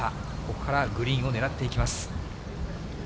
ここからグリーンを狙っていきます。